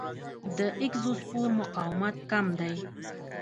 د اګزوسپور مقاومت کم دی.